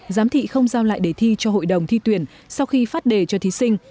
giám thị không giao lại đề thi cho hội đồng thi tuyển sau khi phát đề cho thí sinh